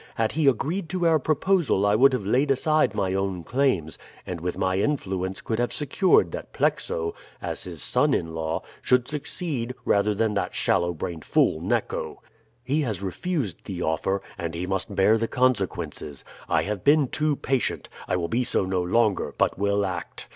Had he agreed to our proposal I would have laid aside my own claims, and with my influence could have secured that Plexo, as his son in law, should succeed, rather than that shallow brained fool, Neco. He has refused the offer, and he must bear the consequences. I have been too patient. I will be so no longer, but will act.